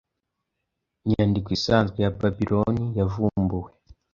Inyandiko isanzwe ya Babiloni yavumbuwe